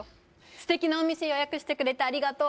素敵なお店予約してくれてありがとう